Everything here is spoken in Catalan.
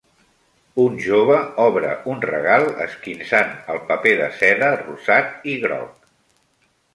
Un jove obre un regal esquinçant el paper de seda rosat i groc.